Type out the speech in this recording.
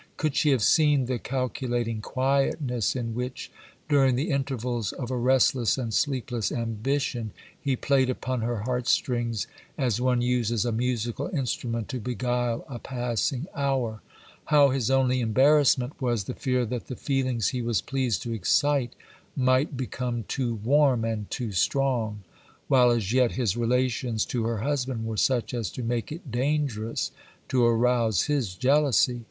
Could she have seen the calculating quietness in which, during the intervals of a restless and sleepless ambition, he played upon her heart strings, as one uses a musical instrument to beguile a passing hour,—how his only embarrassment was the fear that the feelings he was pleased to excite might become too warm and too strong, while as yet his relations to her husband were such as to make it dangerous to arouse his jealousy!